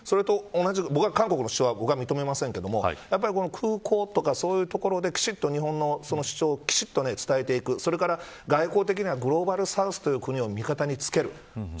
僕は韓国の主張は認めませんが空港とかそういうところで日本の主張をきちんと伝える外交的にはグローバルサウスを味方につける。